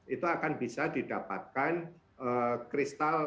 itu akan bisa didapatkan kristal